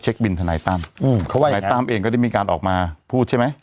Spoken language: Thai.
เช็คบินธนายตั้มธนายตั้มเองก็ได้มีการออกมาพูดใช่ไหม